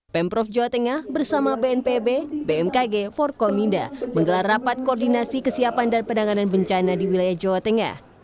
pemprov jawa tengah bersama bnpb bmkg forkominda menggelar rapat koordinasi kesiapan dan penanganan bencana di wilayah jawa tengah